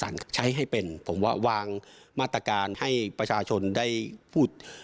ใช้ให้เป็นผมว่าวางมาตรการให้ประชาชนได้พูด